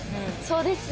そうです。